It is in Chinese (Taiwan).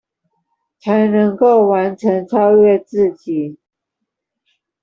才能夠完成、超越自己